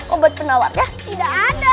obat penawarnya tidak ada